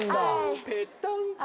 ぺったんこ。